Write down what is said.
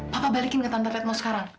papa balikin ke tante retno sekarang